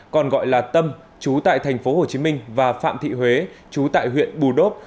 còn gọi là tâm chú tại tp hcm và phạm thị huế chú tại huyện bù đốp